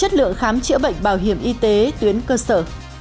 chất lượng khám chữa bệnh bảo hiểm y tế tuyến cơ sở